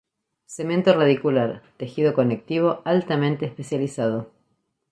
Cemento radicular: tejido conectivo altamente especializado.